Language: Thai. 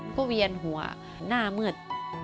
เพราะเวียนหัวหน้าเหมือน